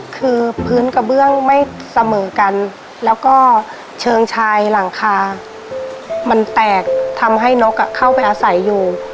คือพื้นกระเบื้องไม่เสมอกันแล้วก็เชิงชายหลังคามันแตกทำให้นกเข้าไปอาศัยอยู่